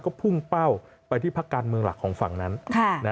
ก็พุ่งเป้าไปที่พักการเมืองหลักของฝั่งนั้น